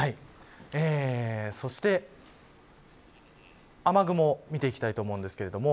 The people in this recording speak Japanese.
そして、雨雲見ていきたいと思います。